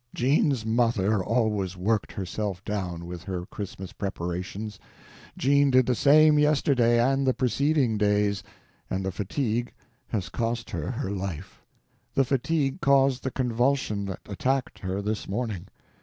Jean's mother always worked herself down with her Christmas preparations. Jean did the same yesterday and the preceding days, and the fatigue has cost her her life. The fatigue caused the convulsion that attacked her this morning.